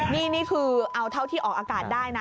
นี่คือเอาเท่าที่ออกอากาศได้นะ